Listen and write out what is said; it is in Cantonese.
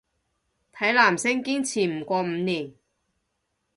睇男星堅持唔過五年